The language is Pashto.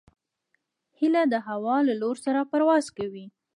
هیلۍ د هوا له لور سره پرواز کوي